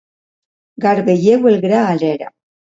Garbelleu el gra a l'era.